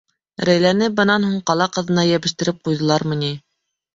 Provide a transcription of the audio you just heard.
Рәйләне бынан һуң ҡала ҡыҙына йәбештереп ҡуйҙылармы ни?!